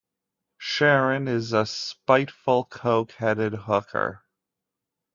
Sharon is a spiteful coke-headed hooker.